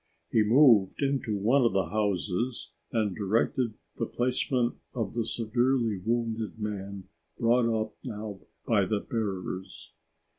He moved into one of the houses and directed the placement of the severely wounded man brought up now by the bearers.